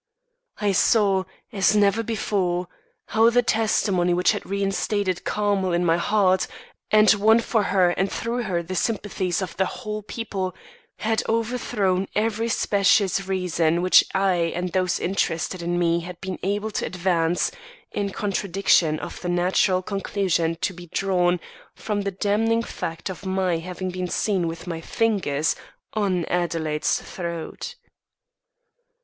I saw, as never before, how the testimony which had reinstated Carmel in my heart and won for her and through her the sympathies of the whole people, had overthrown every specious reason which I and those interested in me had been able to advance in contradiction of the natural conclusion to be drawn from the damning fact of my having been seen with my fingers on Adelaide's throat.